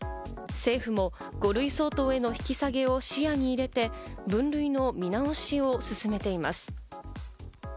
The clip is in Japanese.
政府も５類相当への引き下げを視野に入れて、分類の見直しを進めています。